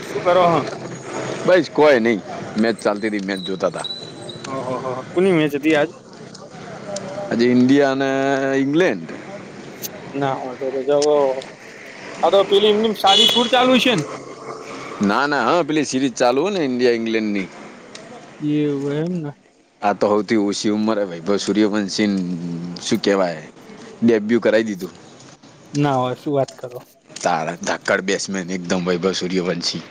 શું કરો હ બસ કોઈ નઈ મેચ ચાલતી હતી મેચ જોતા હતા. ઓ હ કોની મેચ હતી આજ? હજ ઇન્ડિયા અને ઇંગ્લેન્ડ ના હો તો તો જ આ તો પેલી એમ સાડી છૂર [inaudible] ચાલુ છે ને- ના ના હા પેલી સિરીઝ ચાલુ હો ને ઇન્ડિયા ઈંગ્લેન્ડ ન એવું એમ ને. આ તો સૌથી ઓછી ઉંમરે ભાઈ સૂર્યવંશીન શું કેહેવાય? ડેબ્યુ કરાઈ દીધું. ના હોય શું વાત કરો. તાર ધક્કડ બેસમેન એકદમ વૈભવ સૂર્યવંશે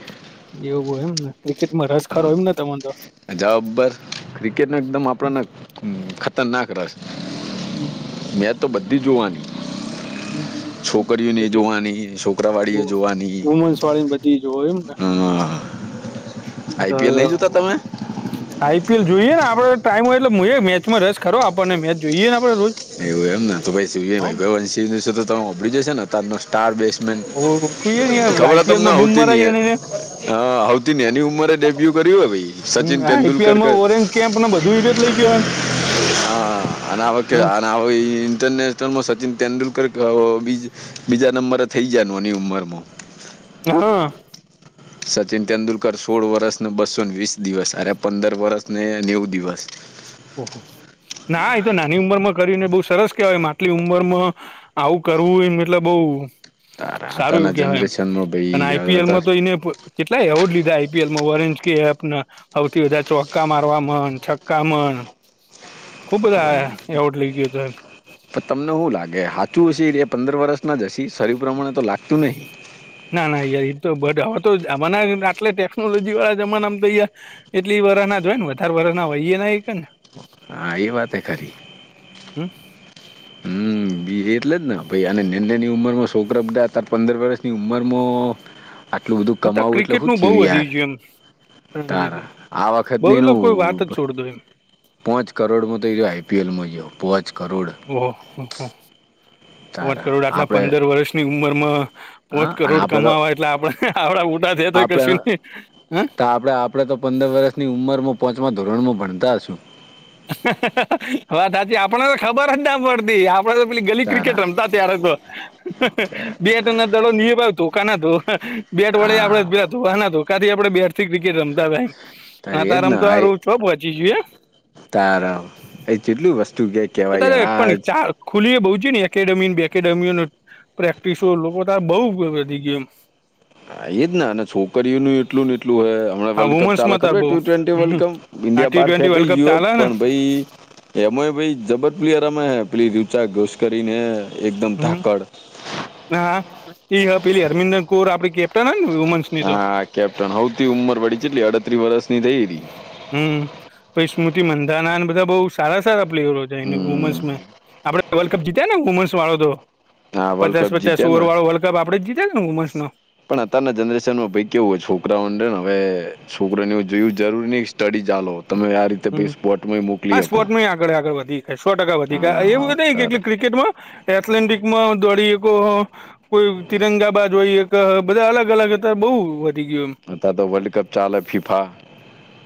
એવું હોય એમને ક્રિકેટમાં રસ ખોય એમ ને તને તો જબ્બર ક્રિકેટને એકદમ આપણને ખતરનાક રસ. હમ. મેંચ તો બધી જોવાની. છોકરીઓને તો જોવાની છોકરાવાળી એ જોવાની ન સ્વાળી [unintelligible] [inaudible] બધી જો એય એમને આઈપીએલ નહીં જોતા તમે આઈપીએલ જોઈએ ને આપડ ટાઈમ હોય એટલે મેચમાં રસ ખરો આપણને મેચ જોઈએ ને આપડે રોજ એવું એમ ને તો ભાઈ શિવ ભગવાન શિવ તો તો સંભાળ્યું જ હશે ને સ્ટાર બેસમેન ઓળખુંએ ને યાર ખબર તમને આઈપીએલમાં બૂમ આવતી મરાઈ નહ. ને [inaudible] હા આવતી ને એની ઉંમરે ડેબ્યુ કર્યું હો ભાઈ સચિન તેંદુલકર આઈપીએલમાં ઓરેન્જ કેમ્પ ને બધુંય ઈ રહ્યો જ લઈ ગયોને. કે ઇન્ટરનેશનલમાં સચિન તેંડુલકર બીજ બીજા નંબરે થઈ જયા નાની એની ઉંમર માં. છેનો [inaudible] સચિન તેંદુલકર સોળ વર્ષને બસોને વીસ દિવસ અરે પંદર વર્ષને નેવ દિવસ ઓહ ના એ તો નાની ઉંમરમાં કરીને બહુ સરસ કેવાય આટલી ઉંમરમાં આવું કરવું એ એટલે બઉુ તારા સારું હતાના એવું કેવાય એમ જનરેશનમાં અને ભાઈ હવે આઈપીએલમાં તો એઈને કેટલા એવોર્ડ લીધા આઈપીએલમાં, ઓરેન્જ કેપ ને સૌથી બધા ચોક્કા મારવામાં અને છક્કા મર ખુબ બધા એવોર્ડ લઇ ગયો તો એમ. પણ તમને હું લાગે, હાચું હશે એ રહ્યા પંદર વર્ષના જ હશે, શરીર પ્રમાણે તો લાગતું નહી. ના, ના યાર ઈ તો બડા હોતો જ [unintelligible] આટલે ટેકનોલોજી વાળા જમાનામાં તો યાર એટલી વરહના જ હોય ને, વધારે વરહના હોઈ એ ના હઈશે ને. હા એ વાત એય ખરી. હમ્મ. હમ્મ. બી એટલે જ ને, ભઈ એને નેનની ઉંમરમાં સોકરા બધા અતાર પંદર વર્ષની ઉંમરમાં આટલું બધું અત્યારે કમાવવું એટલે ક્રિકેટ હું નું બહુ થયું વધી યાર? ગયું એમ તારા, રણજીતભાઈ આ બહુ વખતની એટલે નું કોઈ વાત જ છોડ દો એમ પોંચ કરોડમાં તો ઈ આઈપીએલમાં ગયો, પોંચ કરોડ. ઓહોહો. પોંચ તારા કરોડ આટલા આપણે પંદર વર્ષની ઉંમરમાં હા પોંચ અને કરોડ આપણે તો કમાવા એટલે આપડે, આવડા થયા તોય કશું નહીં. હા. અને આપણે તો પંદર વર્ષની ઉંમરમાં પોંચમાં ધોરણમાં ભણતા હશું. હવે સાચી, આપડા ને તો ખબર જ ના પડતી. આપ ણે તો પેલી ગલી ક્રિકેટ તારા રમતા ત્યારે તો, બેટ ને દડોય [unintelligible] બેટ વડે હા આપડે [unintelligible] ધોકા દીએ આપણે બેટ થી ક્રિકેટ રમતા તારી તા, [unintelligible] તાર, એ જેટલું વસ્તુ કે કેવાય ય રાજ ખુલીએ બહુ છે ને, એકેડેમીન, બેડેમીઓ, પ્રેક્ટિસો લોકો આ બઉ બધી ગેમ આ એ જ ને, અને છોકરીઓનું એટલું ને એટલું હે, હમણા હા વર્લ્ડ કપ ચાલે વુમન્સમાં તાર ખબર બઉ ટી ટ્વેન્ટી વર્લ્ડ હમ કપ? આ ઈન્ડિયા ટી બાર ટ્વેન્ટી વર્લ્ડ ફેંકાય કપ ગયું યું, ચાલે ને પણ ભઈ એમાંય ભઈ જબર પ્લેયર રમાય હે પેલી રુચા ઘોસ કરીને એકદમ હમ ધાકડ. હા. એ પેલી હરમિંદર કોર આપડી કેપ્ટન હોય ને વુમન્સ ની તો હા કેપ્ટન, હઉથી ઉંમર વડી, ચેટલી અડત્રી વર્ષ ની થઈ હતી. હમ્મ, પછી સ્મૃતિ મંદાના બધા બઉ સારા-સારા પ્લેયરો જાયને હમ વુમન્સ મે. આપડે વર્લ્ડ કપ જીત્યા ને વુમન્સ વાળો તો? હા વર્લ્ડ કપ પચાસ-પચાસ જીત્યા ઓવર ને વાળો વર્લ્ડ કપ આપડે જીતા ને વુન્મસ માં? પણ અતારના જનરેશન માં ભઈ કેવું હોય, છોકરાઓ અંદર હવે છોકરા ને જોયું જરૂરી [unintelligible] તમે આ રીત હમ્મ. હા સ્પોર્ટ માં આગળ-આગળ વધી ગયા, સો ટકા વધી ગયા, હા એવું નથી અત્યારે ખાલી ક્રિકેટમાં એથ્લેન્ટિકમાં દોડીકો કોઈ તિરંગાબાજ હોય, એક બધા અલગ-અલગ હતા બહુ વધી ગયું એમ. અતાર તો વર્લ્ડ કપ ચાલે ફીફા.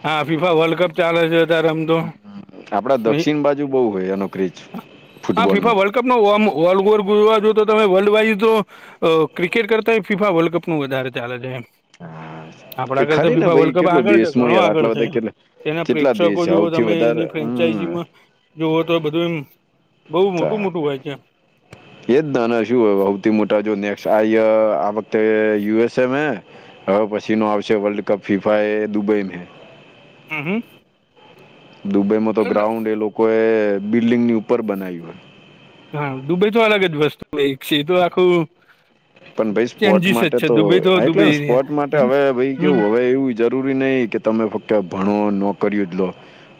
હા ફીફા વર્લ્ડ કપ ચાલે છે. આપડા દક્ષિણ બાજુ બહુ હોય એનો ક્રેઝ [unintelligible] હા ફૂટબોલનો ફીફા વલ્ડ કપ માં ઓમ ઓવર [unintelligible] તો તમે વર્લ્ડ વાઈઝ જો અહ ક્રિકેટ કરતા એય ફીફા વર્લ્ડ કપમાં વધારે ચાલે છે એમ. હા કે આપણા કરતા તો ખરી ને ફીફા ભાઈ વર્લ્ડ કપ કેટલું આગળ છે, દેશમાં ઘણો યાર આગળ આટલા છે બધા એમ. કેટલા તેના કેટલા પ્રેક્ષકો દેશ છે જોવો સૌથી તમે, વધારે એની હમ ફ્રેન્ચાઈજીમાં જોવો તો બધું એમ બઉ મોટું-મોટું હોય છે. [inaudible] એજ [unintelligible] હૌથી મોટા જો નેક્સ આય આ વખતે યુ એસ એ મે હવે પછીનો આવશે વર્લ્ડ કપ ફીફા એ દુબઈ મે. હમ્મ-હમ્મ. દુબઈમાં તો ગ્રાઉન્ડ એ લોકો એ બિલ્ડિંગની ઉપર બનાયું હોય. હા દુબઈ તો અલગ જ વસ્તુ છે તો આખું પણ ભાઈ સ્પોર્ટ ચેન્જીસ જ માટે છે તો દુબઈ એટલેને દુબઈ સ્પોર્ટ માટે હમ હવે ભાઈ કેવું હમ હવે એવું જરૂરી નહી કે તમે ફક્ત ભણો નોકરીઓ જ લો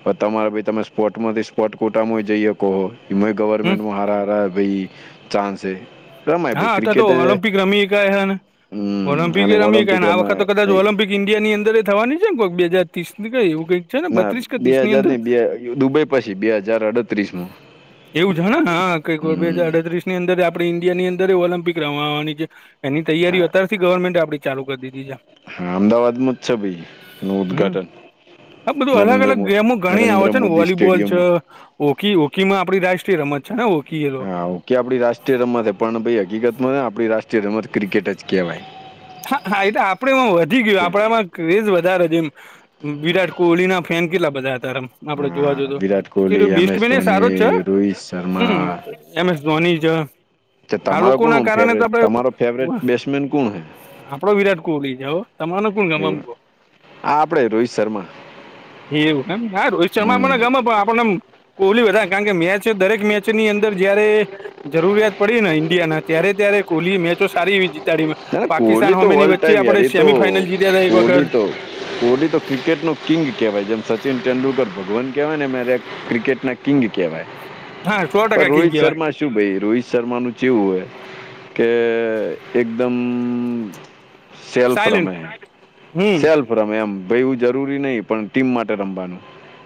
હ તમારે ભાઈ તમે સ્પોટમાંથી સ્પોટ કૂટામાંય જઈએ કહો? એમ ગવર્મેન્ટમાં હાર આ રહા ભાઈ ચાસ છે. રમાય ભાઈ હા તો ક્રિકેટ ઓલમ્પિક રમી્યાયા હમ ઓલિમ્પિક અને એ રમી કાય ઓલમ્પિક ને આ વખત તો રમાય કદાચ આઈ- ઓલિમ્પિક ઈન્ડિયાની અંદર એ થવાની છે ક બે હજર ત્રીસ કઈ એવું કઈક? ના બે હાજાર ની બે દુબઈ પછી બે હાજાર અડત્રીસ માં એવું જાણા હા બે હજર અડત્રીસ ની અંદર આપણે ઈન્ડિયા ની અંદર ઓલમ્પિક રમાવાની છે એની હા તૈયારીઓ અત્યારથી ગવર્મેન્ટ આપડી ચાલુ કરી દીધી છે. હા અમદાવાદમાં જ છે ભાઈ નું ઉદ્ઘાટન હા બધું અલગ અલગ ગેમો ઘણી આવે છે ને મોદી વોલીબોલ સ્ટેડિયમ છે. ઓકી ઓકી માં આપડી રાષ્ટ્રીય રમત છે ને ઓકી એ તો હાકે આપડી રાષ્ટ્રીય રમત પણ ભ હકીકત ને આપણી રાષ્ટ્રીય રમત ક્રિકેટ જ કેવાય. હા હા એટ આપડેમાં વધી ગયું આપડામાં ક્રેઝ વધારે જેમ વિરાટ કોહલી ના ફેન કેટલા બધા હતાારમ આપડે જોવા જ હા તો વિરાટ કોહલી બ એમ બેસ્ટ એસ બેન સારો જ છે ધોની રોહિત હમ શર્મા એમ એસ ધોની જ તમારો કોણ ફેવરેટ તમારો ફેવરેટ આપડે બેટ્સમેન કોણ હ આપડો વિરાટ કોહલી જાઓ તમાર એવું હા આપડે રોહિત શર્મા એ એવું એમ ના છે એમાં હમ આપને ગમે આપણનેમ કોહલી બધા કારણ કે મેચ દરેક મેચની અંદર જયારે જરૂરિયાત પડી ને ઈન્ડિયા ના ત્યારે ત્યારે કોહલી મેચો સારી જીતાડી ના ના પાકિસ્તાન કોહલી તો હોમેની વર્લ્ડ વચ્ચે ટાઈમ યાર આપણે એ તો સેમીફાઈનલ જીત્યા હતા એક કોહલી તો. કોહલી તો ક્રિકેટ નો કિંગ કેવાય જેમ સચિન તેડુલકર ભગવાન કેહેવાય ને ક્રિકેટના કિંગ કવાય વખત હા સો પણ ટકા કિંગ રોહિત કહેવાય શર્મા શું ભાઈ રોહિત શર્માનું જેવું હોય કે એક એકમ સેલ્ફ સાયલેન્ટ રમે હમ સેલ્ફ રમે એમ ભ એવું જરૂરી નહી પણ ટીમ માટે રમવાનું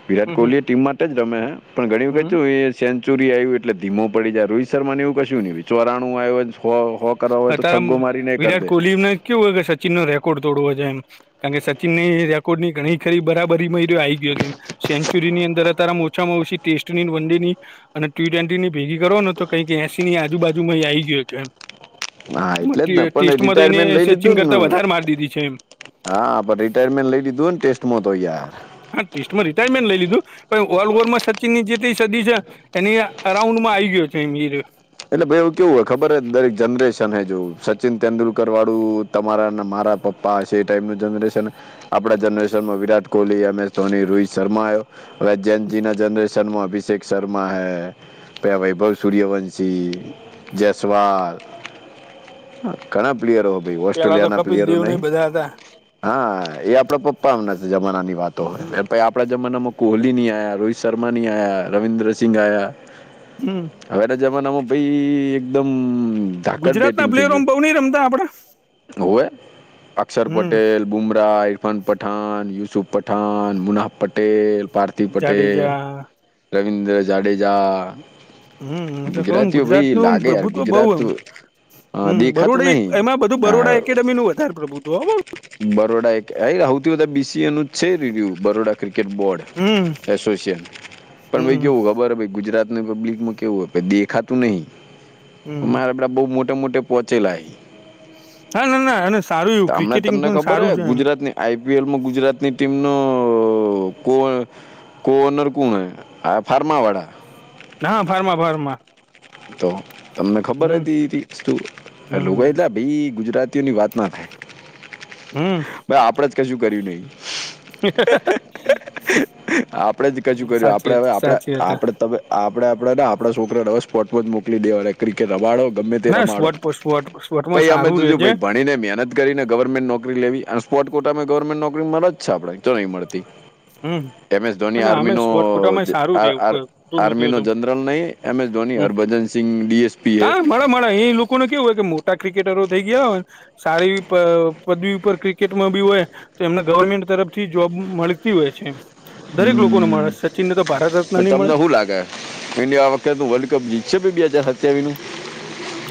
વિરાટ હમ હમ કોહલી એ ટીમ માટે જ રમે હે પણ ઘણી હમ કતું. સેન્ચુરી આવ્યું એટલે ધીમો પડી જાય રોહિત શર્માને એવું કશુંયું નહીં ચોરાણું આવ હો હો કરવા હોય તો. અત્યારે છગ્ગો મારીને એ કરી વિરાટ દે કોહલી ને કેવું હોય કે સચિન નો રેકોર્ડ તોડવો છે એમ. કારણ કે સચિન ની રેકોર્ડની ઘણી ખરી બરાબર મિ્યો આ આવી ગયો છેમ. સેન્ચુરી ની અંદર અતારમાં ઓછામાં ઓછી ટેસ્ટની વન ડે ની અને ટી ટ્વેન્ટી ની ભેગ કરો ને તો કઈક એસી ની આજુબાજુ એ આવી ગયો છે એમ હા એમાં એટલે જ ને પણ ટેસ્ટમાં તો એને રિટાયરમેન્ટ લઈ સચિન લીધું કરતા નેને વધારે માર દીધી છે એમ હા પણ રિટાયરમેન્ટ લઈ લીધું ને ટેસ્ટ મો તોય યાર હા ટેસ્ટમાં રિટાયરમેન્ટ લઈ લીધું પણ ઓલ ઓવરમાં સચિન ની જેટ સદી છે. એની અ રાઉન્ડ માં આવી ગયો છે એયો એટલે ભાઈ એવું કેવું હોય ખબર દરેક જનરેશન હ જોવું સચિન તેંદુલકર વાળું. તમારા અને મારા પપ્પા હશે એ ટાઈમનું જનરેશન આપણા જનરેશનમાં વિરાટ કોહલી એમ એસ ધોની રોહિત શર્મા આવ્યો. હવે જયજી ના જનરેશનમાં અભિષેક શર્મા હૈ પ વૈભવ સૂર્યવંશ પછી જૈસવાલ. ઘણા પ્લેયરો હો ભાઈ પેલા તો ઓસ્ટ્રેલિયાના કપિલ પ્લેયરો દેવ ને નહીં. બધા હતા હા એ આપડે પપ્પામના જમાના ની વાતો હોય. પ આપણા જમાનામાં કોહલી નની આયા રોહિત શર્મા નહી આયા રવિન્દ્રસિંહ આયા હમ એજમાનામાં પ એકદમ ધાકડ ગુજરાતના બેટિંગ થઈ પ્લેયરો ગયું આમ બહુ નહી રમતા આપડા હોય અક્ષર હમ પટેલ બુમરાહ ઇરફાન પઠાન યુસુફ પઠાન મુનાહફ પટેલ પાર્થ પટેલ જાડેજા રવિન્દ્ર જાડેજા હમ તો કમ ગુજરાતીઓ ગુજરાત ભાઈ નું લાગે યાર પ્રભુત્વ બઉ ગુજરાત એમ હમ દેખાતું બરોડી નહી એમાં બધું બરોડા હા એકેડેમી નું વધારે પ્રભુત્વ બરોડા એક સૌથી બધા બીસીએ નું છે રીુ બઠરોડા ક્રિકેટ હમ બોર્ડ એસોસય પણ હમ કેવું ખબર ગુજરાત ને પબ્લિક મૂકી કેવય પે દેખા તોું નહીં હમ આપડા બઉુ મોટે મોટે પહોંચેલાય. ના ના ના એને સારું એવું હમણાં ક્રિકેટિંગ તમને પણ ખબર સારું હે છે, એમ. ગુજરાતની આઈપીએલમાં ગુજરાતની ટીમનો.. તો કો કોનર કોણ હ હા ફાર્માવાડા. ના ફર્મા ફર્મા... તો તમને ખબર હતી લોકો હમ એટલે ભાઈ ગુજરાતી. તેની વાત ના થાય. હમ.. આપડે જ કશું કર્યું નહીિ. આપડે જ કજું કર્યું સાચી આપડે હવે હતી આપણે સાચી હતી આપડે.. તમે આપણે આપડે ને આપણા છોકરાને રવે સ્પોટમાં જ મોકલી દેવાય ક્રિકેટ રમાડો. ગમે તે ના રમાડો સ્પોટ સ્પોટ સ્પોટમાં ભાઈ અમે સારું રે તો છે ભણીને મન.. કરીને ગવર્મેન્ટ નોકરી લેવી અને સ્પોટ કોટામાં ગવર્મેન્ટ નોકરી મળ જ છે આપડે તો નહી મળતી. હમ. એમ એસ ધોની અને આર્મી અમે નો સ્પોટ કોટામાં સારું રેવું કોઈ ખોટું નથી આર્મી નો હોતું જનરલ નહીિ M S Dhoni. Harbhajan Singh DSP હૈ. મારા એ લોકોને કેવું હોય કે મોટા ક્રિકેટરો થઈ ગયા હોય. સારી પદવી ઉપર ક્રિકેટમાં બી હોય તો એમના ગવર્મેન્ટ તરફ. થી જોબ મળતી હોય છે, એમ દરેક લોકોને મળે સચિન ને તો ભારત રત્ન નહી મળે. ઇડ વખ વર્લ્ડ કપ જીતશેી બે હજાર સત્યાવીું.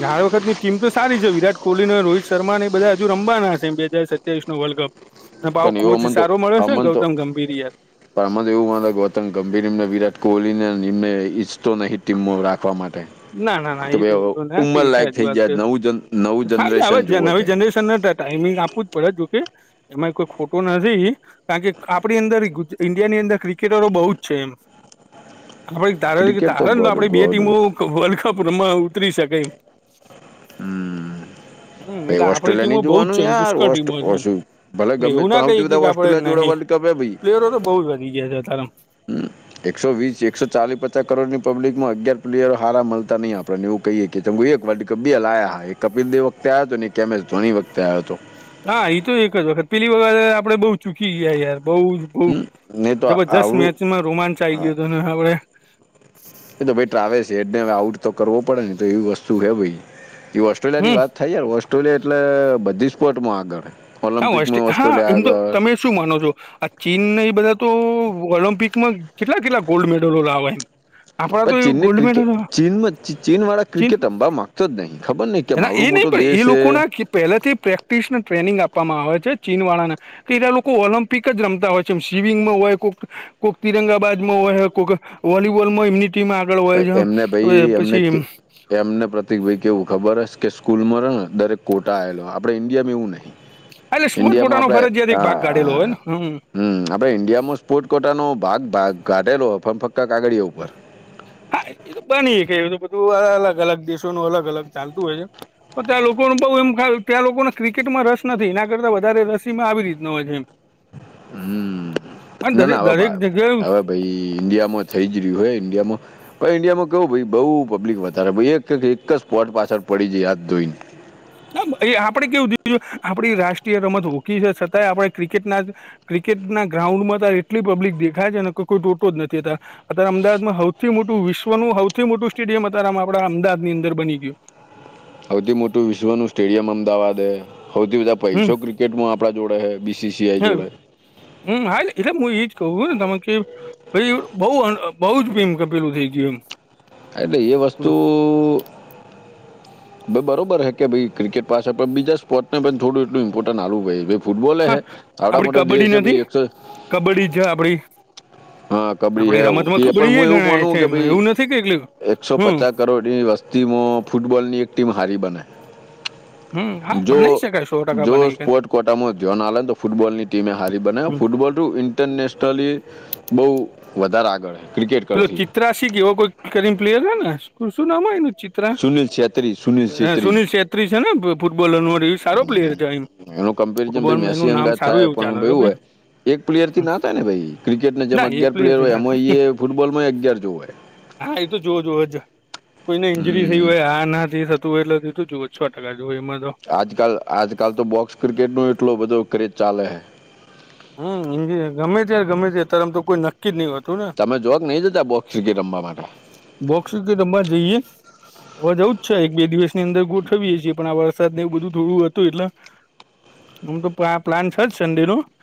હર વખત ની ટીમ તો સારી છે, વિરાટ કોહલી ને રોહિત શર્મા બધા હજ રવાના છે બે હજ સત્યાવીસ નો વર્લ્ડ કપ. અને પાવ પણઓ કોચ અમન તો સારો મળ્યો છે ને અમન તો. ગૌતમ ગંભીર યાર પણ અમ તો એવુંંધ કેતંગ ગંભીર એમને વિરાટ કોહલીને એમને ઈચ્છતો નહીં ટીમો રાખવા માટે. ના ના ના કે એ તો ભાઈ હવે એવધું જ વાત હા હ ઉંમર લાયક થઈ જાય નવું જન નવું જનરેશન જ જ જુઓ હવે કે જનરેન. ટાઈમિંગ આપવું જ પડે જોકે. એમાં કોઈ ખોટો નથી કારણ કે આપણી અંદર ઈન્ડિયા ની અંદર ક્રિકેટરો બહુ જ છે, એમ. [inaudible] આપ તણ ક્રિકેટ તારણ તો ગોડ આપ બે ગોડ ટીમો વર્લ્ડ કપ ર ઉતરી શકેાય. હમ... હમ એટલે આપણી ઓસ્ટ્રેલિયા નની ટીમો બહુ જ જોવાનું છે એમ યાર પુષ્કળ ઓ ટીમો છે એમ ભલે એટલે ગમે એવું પણ બધા ઓસ્ટ્રેલિયા જોડે વર્લ્ડ. કમે બી! ફ્લેરો તો બહુ જ વધી ગયા છે, અ તાર. હમ.. એકસો વીસ એકસો ચાલી પચાસ કરોડની પબલિક માં અગયાર પ્લેયરો હારા મળતા નહીં આપણને એવું કહીએ. કે ચંગું એક વલ્ડ કપ બી હલાયા હ એ કપિલ દેવ વખતે આવ્યો હતો ને એક એમ એસ ધોની વખતે આવ્યો હતો. હા એ તો એક જ વખત પેલી વખત આપડે બહુ ચૂકી ગયા યાર. બહુ જ બહ હમ નહીં તો જબરજસ્ત આવડું મેચમાં રોમાંચ આ આવી ગયો હતો અને આપડે.. એ તો ભાઈ ટ્રાવેલ્સ એેડને આઉટ તો કરવો પડે ને તો એવી વસ્તુ હે ભાઈ એવી ઓસ્ટ્રેલિયાની હમ વાત.. હાય યાર ઓસ્ટ્રેલિયા એટલે બધી સ્પોર્ટમાં આગળ હા ઓસ્ટ ઓલમ્પિકમાં હા ઓસ્ટ્રેલિયા એમ તો આગળ. તમે શું માનો છો આ ચીનને એ બધા તો ઓલમ્પિકમાં કેટલા કેટલા ગોલ્ડ મેડલો લાવવા એમ. આપડ તો એ ગોલ્ડ મેડલ હોય. ચીન ચીન વાળા ક્રિકેટ અંબાવા માંગતો જ નહિ ખબર નહ કેમ? આવડું મોટો દેશ છે. પહેલાથી પ્રેક્ટિસને ટ્રેનિંગ આપ. આપવામાં આવે છે ચીન વાળાને તો એ લોકો ઓલિમ્પિક જ રમતા હોય છે શિવિંગમાં હોય કોઈ. કોઈક તિરંગાબાજ માં હોય કોઈક વોલીબોલ માં એમની. માં આગળ હોય છે એમને હવે ભાઈ એમને પછી. એમને પ્રતિકભાઈ કેહેવું ખબર હ કે સ્કૂલમાં રહે દરેક કોટા આવેલો આપણે ઈન્ડિયામાં એવું નહીં. એટલે સ્પોર્ટ ઇન્ડિયામાં કોટાનો આપડે ફરજિયાત એક ભાગ હ કાઢેલો હોય હા. ને હમ આપડે ઈન્ડિયામાં સ્પોર્ટ કોટા નો ભાગ ઘાઢેલો ફક્ કાગળઓ ઉપર. હા એ તો બની કે બધું અલગ અલગ દેશો નનું અલગ અલગ ચાલતું હોય છે. પણ ત્યાં લોકોનું બઉ એમ ત્યાં લોકોનો ક્રિકેટમાં રસ નથી એના કરતા વધારે રસીમાં આવી રીતનું હોય છે એમ. હમ અને ના દરેક ના હવે દરેક ભા જગ્યાએ હવે ભાઈ ઈન્ડિયામાં થઈ જ રહ્યું હોય ઈન્ડિયામાં [unintelligible] ઈન્ડિયામાં કેવું ભાઈ બઉ પબ્લિક વધારે એક એક જ સ્પોટ પાછળ પડી જાય હાથ ધોઈને. એ આપડે [unintelligible] આપણી રાષ્ટ્રીય રમત હોકી છે છતાંય આપણે ક્રિકેટના ક્રિકેટના ગ્રાઉન્ડમાં એટલી પબ્લિક દેખાય છે ને [unintelligible] જ નથીતા અત્યારે અમદાવાદમાં હૌવથી મોટું વિશ્વનું હૌવથી મોટું સ્ટેડિયમ [unintelligible] અમદાવાદની અંદર બની ગયું. હૌવથી મોટું વિશ્વનું સ્ટેડિયમ અમદાવાદ દે હૌવથી બધા હમ પૈસો ક્રિકેટમાં આપડા જોડે હે બીસીસીઆઈ હમ જોડે હમ હા એટલે હું એજ કહું [unintelligible] બઉ બઉ જ ભીમ કપેલું થઈ ગયું એમ. એટલે એ વસ્તુ [unintelligible] બરોબર હ કે ભાઈ ક્રિકેટ પાસે પણ બીજા સ્પોર્ટને પણ થોડું એટલું ઈમપર્ટન્ટ [unintelligible] ફૂટબોલે હે હા આવડા આપડી મોટા દેેશ કબડ્ડી છે નથી ભાઈ એકસો કબડ્ડી છે આપણી હા કબડી હેવ કે પણ હું એ એવું ગણાય માનું છે કે એમ ભાઈ એવું નથી કે એટલે એકસો હમ પચાસ કરોડની વસ્તીમાં ફૂટબોલની એક ટીમ હારી બને. હમ હા જો ભનાઈ શકાય સો ટકા જો બનાવી સ્પોર્ટ કોટામાં [unintelligible] તો ફૂટબોલની ટીમે હારી બનાવ હમ ફૂટબોલ [unintelligible] બઉ વધારે આગળ. ક્રિકેટ પેલો કરતી ચિત્રાશી કે એવો કોઈ કરીમ પ્લેયર [unintelligible] શું નામ હોય એનું સુનિલ છેત્રી સુનિલ છેત્રી સુનિલ છેત્રી છે ને ફૂટબોલર એ સારો પ્લેયર છે એનું [unintelligible] ફૂટબોલમાં મેસી એનું નામ અંગાત સારું થાય એવું ચાલે [unintelligible] છે ભાઈ હોય. એક પ્લેયરથી ના થાય ને ભાઈ ક્રિકેટને જેમ ના એક અગિયાર પ્લેયર છે હોય ના એમાં ફૂટબોલમાં અગિયાર જો હોય. હા એ તો જુઓ જુઓ જ કોઈને ઈન્જરી થયું હમ હોય આના થી થતું હોય એટલે [unintelligible] એમાં તો આજકાલ આજકાલ તો બોક્સ ક્રિકેટનો એટલો બધો ક્રેજ ચાલે છે. હમ ગમે [unintelligible] તો કોઈ નક કેની વા તું ને તમે જો નહી જતા બોક્સીકી રમવા માટે? બોક્સીકી રમવા જઈએ [unintelligible] એક બે દિવસની અંદર ગોઠવીએ છીએ પણ આ [unintelligible] એવું બધું થોડું હતું એટલે એમ તો પ્લાન છે [unintelligible]